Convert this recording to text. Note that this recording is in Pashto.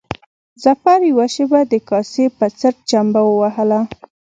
ظفر يوه شېبه د کاسې په څټ چمبه ووهله.